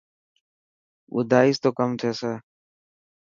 ٻڌائيس تو ڪم ٿيي.